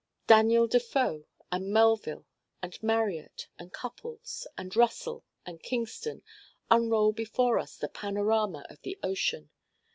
Daniel DeFoe, and Melville and Marryat and Cupples and Russell and Kingston, unroll before us the panorama of the ocean.